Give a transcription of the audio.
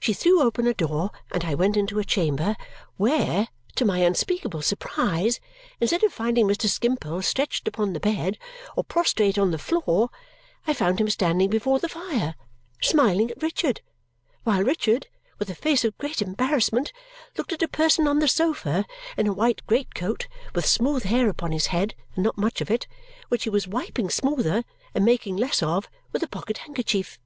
She threw open a door and I went into a chamber, where, to my unspeakable surprise, instead of finding Mr. Skimpole stretched upon the bed or prostrate on the floor, I found him standing before the fire smiling at Richard, while Richard, with a face of great embarrassment, looked at a person on the sofa, in a white great coat, with smooth hair upon his head and not much of it, which he was wiping smoother and making less of with a pocket handkerchief.